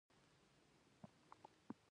• له ناکامیو نه زده کړه، نه دا چې وېرېږه.